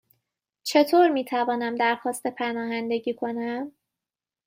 چطور می توانم درخواست پناهندگی کنم؟